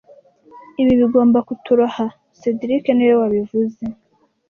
Ibi bigomba kutoroha cedric niwe wabivuze